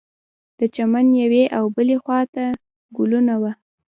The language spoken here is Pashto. د چمن یوې او بلې خوا ته ګلونه وه.